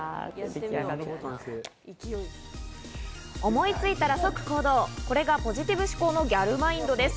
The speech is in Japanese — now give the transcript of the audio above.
思いついたら即行動、ポジティブ思考のギャルマインドです。